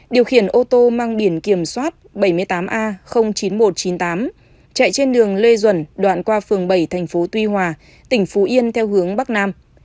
điều khiển ô tô mang biển kiểm soát bảy mươi tám a chín nghìn một trăm chín mươi tám chạy trên đường lê duẩn đoạn qua phường bảy thành phố tuy hòa tỉnh phú yên theo hướng bắc nam